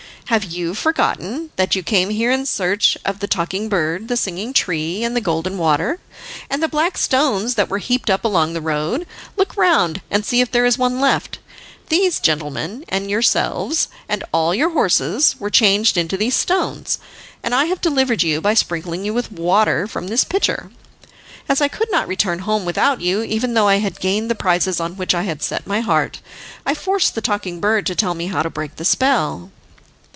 Have you forgotten that you came here in search of the Talking Bird, the Singing Tree, and the Golden Water, and the black stones that were heaped up along the road? Look round and see if there is one left. These gentlemen, and yourselves, and all your horses were changed into these stones, and I have delivered you by sprinkling you with the water from this pitcher. As I could not return home without you, even though I had gained the prizes on which I had set my heart, I forced the Talking Bird to tell me how to break the spell."